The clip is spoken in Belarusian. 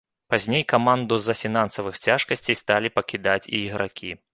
Пазней каманду з-за фінансавых цяжкасцей сталі пакідаць і ігракі.